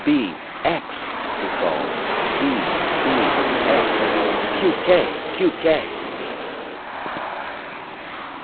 "B, B, B, X!" he called. "B, B, X! Qk!